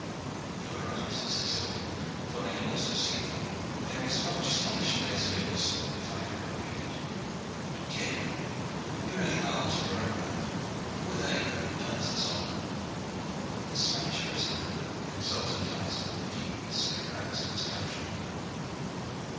"You are right," said Sir William, "for I can also see them. There is much Spanish blazonry also, if I could but read it. Don Diego, you know the arms of your own land. Who are they who have done us this honor?" The Spanish prisoner looked with exultant eyes upon the deep and serried ranks of his countrymen.